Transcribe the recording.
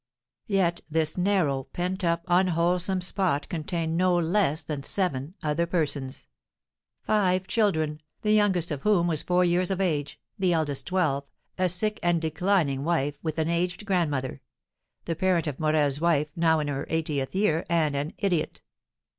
Yet this narrow, pent up, unwholesome spot contained no less than seven other persons, five children, the youngest of whom was four years of age, the eldest twelve, a sick and declining wife, with an aged grandmother, the parent of Morel's wife, now in her eightieth year, and an idiot!